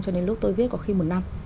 cho nên lúc tôi viết có khi một năm